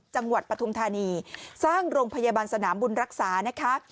ปฐุมธานีสร้างโรงพยาบาลสนามบุญรักษานะคะ